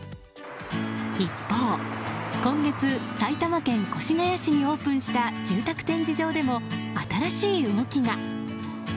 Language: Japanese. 一方、今月埼玉県越谷市にオープンした住宅展示場でも新しい動きが。